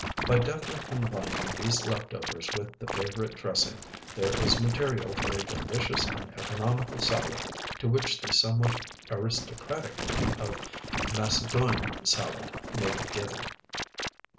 By deftly combining these left overs with the favorite dressing, there is material for a delicious and economical salad, to which the somewhat aristocratic name of macedoine salad may be given.